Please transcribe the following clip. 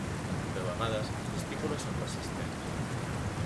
De vegades, les estípules són persistents.